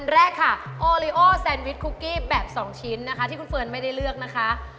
แรกค่ะโอลิโอแซนวิชคุกกี้แบบ๒ชิ้นนะคะที่คุณเฟิร์นไม่ได้เลือกนะคะ